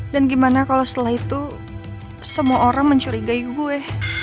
dan gimana kalau setelah itu semua orang mencurigai gue